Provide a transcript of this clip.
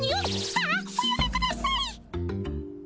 ああおやめください。